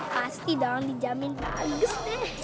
pasti dong dijamin bagus deh